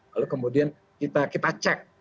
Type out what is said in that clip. lalu kemudian kita cek